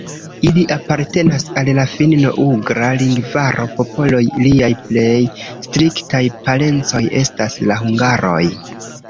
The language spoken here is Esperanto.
Ili apartenas al la finno-ugra lingvaro popoloj, iliaj plej striktaj parencoj estas la hungaroj.